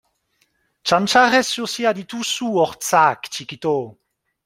Txantxarrez josia dituzu hortzak txikito!